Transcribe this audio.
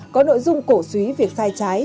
có nội dung cổ suý việc sai trái